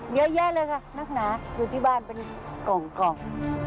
เยอะแยะเลยค่ะนักหนาอยู่ที่บ้านเป็นกล่อง